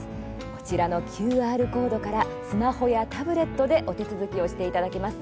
こちらのＱＲコードからスマホやタブレットでお手続きをしていただけます。